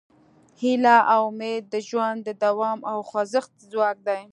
هیله او امید د ژوند د دوام او خوځښت ځواک دی.